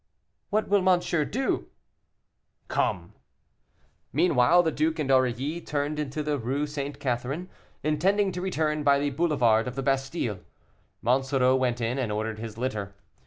"What will monsieur do?" "Come." Meanwhile, the duke and Aurilly turned into the Rue St. Catherine, intending to return by the boulevard of the Bastile. Monsoreau went in, and ordered his litter.